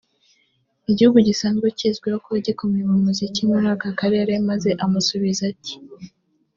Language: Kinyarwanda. igihugu gisanzwe kizwiho kuba gikomeye mu muziki muri aka karere maze amusubiza ati